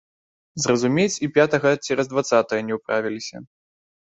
Зразумець і пятага цераз дваццатае не ўправіліся.